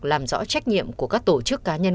làm rõ trách nhiệm của các tổ chức cá nhân